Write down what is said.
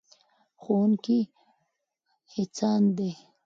ښوونکي هڅاند دي.